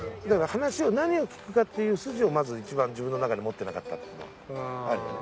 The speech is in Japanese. から話を何を聞くかっていう筋をず一番自分の中に持ってなかったっていうのはある。